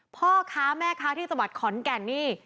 พ่อค้าแม่ค้าที่สมัครขอนแก่นนี่